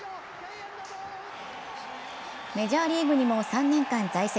メジャーリーグにも３年間在籍。